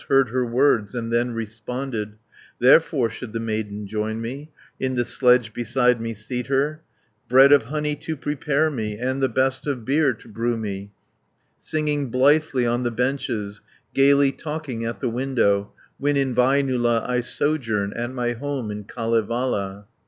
Heard her words, and then responded: "Therefore should the maiden join me, In the sledge beside me seat her; Bread of honey to prepare me, And the best of beer to brew me, Singing blithely on the benches, Gaily talking at the window, When in Väinölä I sojourn, At my home in Kalevala."